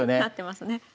なってますね。